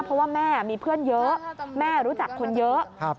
เพราะว่าแม่มีเพื่อนเยอะแม่รู้จักคนเยอะ